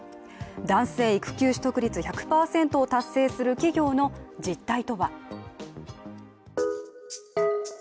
男性育休取得率１００％を達成する企業の実態とは。